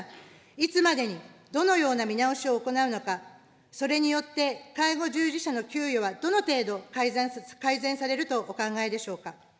いつまでにどのような見直しを行うのか、それによって介護従事者の給与はどの程度改善されるとお考えでしょうか。